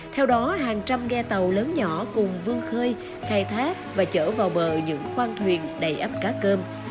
theo đó hàng trăm ghe tàu lớn nhỏ cùng vương khơi khai thác và chở vào bờ những khoang thuyền đầy ấp cá cơm